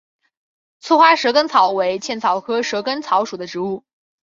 簇花蛇根草为茜草科蛇根草属的植物。